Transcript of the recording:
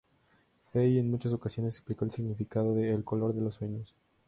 Fey en muchas ocasiones explicó el significado de "El color de los sueños".